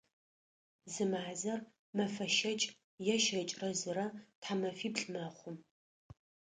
Зы мазэр мэфэ щэкӏ е щэкӏырэ зырэ, тхьэмэфиплӏ мэхъу.